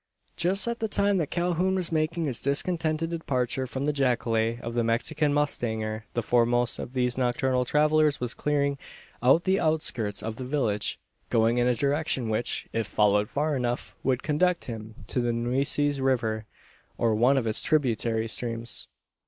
Just at the time that Calhoun was making his discontented departure from the jacale of the Mexican mustanger, the foremost of these nocturnal travellers was clearing the outskirts of the village going in a direction which, if followed far enough, would conduct him to the Nueces River, or one of its tributary streams.